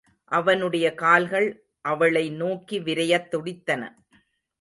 அவனுடைய கால்கள் அவளை நோக்கி விரையத் துடித்தன.